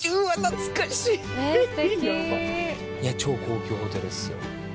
超高級ホテルっすよ。